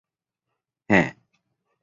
แฮ่ะ